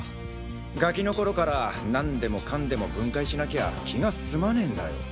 ガキの頃から何でもかんでも分解しなきゃ気が済まねぇんだよ！